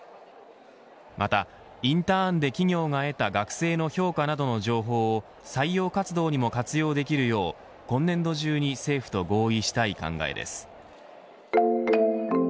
またインターンで企業が得た学生の評価などの情報を採用活動にも活用できるよう今年度中に政府と合意したい考えです。